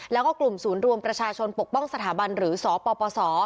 แล้วก็กลุ่มศูนย์รวมประชาชนปกป้องสถาบันหรือสปส